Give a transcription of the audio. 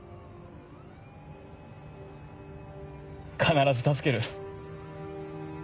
必ず助ける。